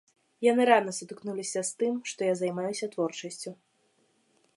Яны рана сутыкнуліся з тым, што я займаюся творчасцю.